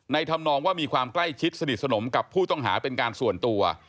ทำนองว่ามีความใกล้ชิดสนิทสนมกับผู้ต้องหาเป็นการส่วนตัว